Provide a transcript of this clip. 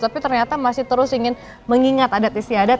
tapi ternyata masih terus ingin mengingat adat istiadat